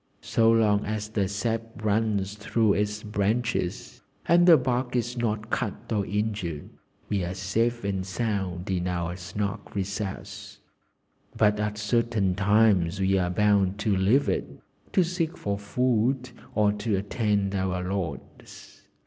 So long as the sap runs through its branches, and the bark is not cut or injured, we are safe and sound in our snug recess, but at certain times we are bound to leave it, to seek for food, or to attend our lords.